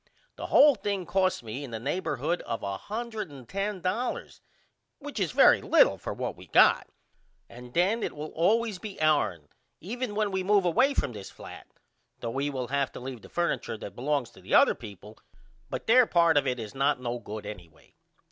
The hole thing cost me in the neighborhood of $110 which is very little for what we got and then it will always be ourn even when we move away from this flat though we will have to leave the furniture that belongs to the other people but their part of it is not no good anyway.